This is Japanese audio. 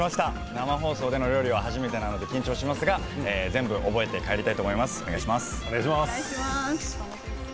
生放送での料理は初めてなので緊張しますが、全部覚えて帰りたいと思います。